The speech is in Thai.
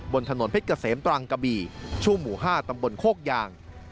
บนถนนเพชรเกษมตรังกะบี่ช่วงหมู่๕ตำบลโคกยาง